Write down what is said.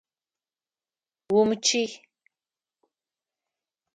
Умычъый!